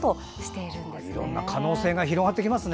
いろんな可能性が広がってきますね。